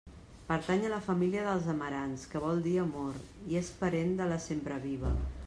Pertany a la família dels amarants, que vol dir amor, i és parent de la sempreviva.